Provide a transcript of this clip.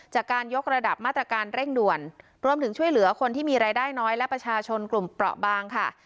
จากการยกระดับมาตรการเร่งด่วนรวมถึงช่วยเหลือคนที่มีรายได้น้อยและประชาชนกลุ่มเปราะบางค่ะ